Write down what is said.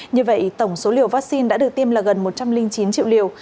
như vậy tổng số liều vaccine đã được tiêm là gần một trăm linh chín triệu liều